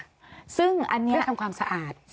เพื่อทำความสะอาด